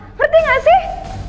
ngerti gak sih